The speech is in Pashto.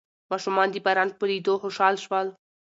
ماشومان د باران په لیدو خوشحال شول.